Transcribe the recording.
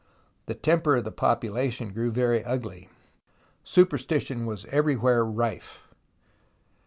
The temper of the population grew very ugly. Superstition was everywhere rife.